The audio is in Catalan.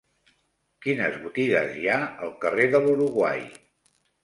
Quines botigues hi ha al carrer de l'Uruguai?